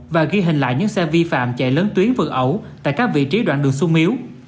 và ghi hình lại những xe vi phạm chạy lớn tuyến vượt ẩu tại các vị trí đoạn đường sung yếu